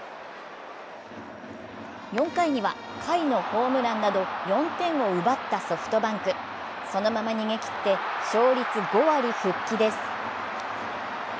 ４回には甲斐のホームランなど４点を奪ったソフトバンク。そのまま逃げきって勝率５割復帰です。